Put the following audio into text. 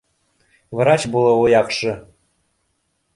Врач булыуы яҡшы